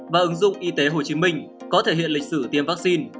và ứng dụng y tế hồ chí minh có thể hiện lịch sử tiêm vaccine